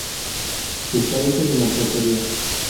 Está hecha de mampostería.